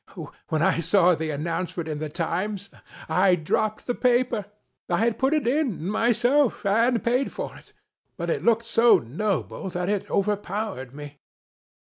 "When I saw the announcement in the Times, I dropped the paper. I had put it in, myself, and paid for it, but it looked so noble that it overpowered me.